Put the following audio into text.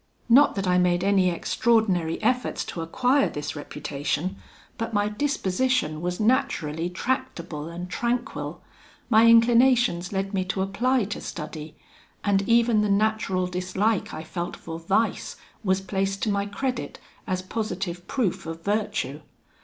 Not that I made any extraordinary efforts to acquire this reputation, but my disposition was naturally tractable and tranquil; my inclinations led me to apply to study; and even the natural dislike I felt for vice was placed to my credit as positive proof of virtue.